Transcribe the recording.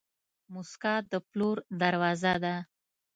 موسکا د پلور دروازه ده.